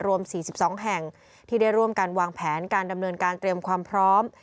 รวม๔๒แห่งที่ได้ร่วมกันวางแผนการดำเนินการเตรียมความพร้อม